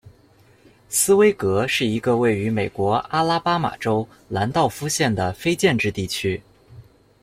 斯威格是一个位于美国阿拉巴马州兰道夫县的非建制地区。